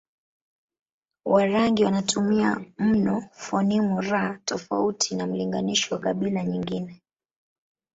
Warangi wanatumia mno fonimu r tofauti na mlinganisho wa kabila nyingine